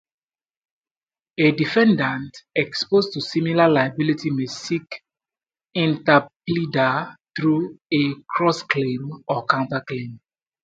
A defendant exposed to similar liability may seek interpleader through a crossclaim or counterclaim.